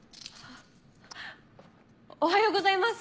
おはようございます。